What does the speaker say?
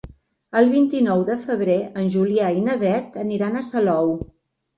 El vint-i-nou de febrer en Julià i na Beth aniran a Salou.